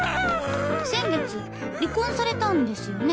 先月離婚されたんですよね？